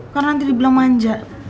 karena nanti dibilang manja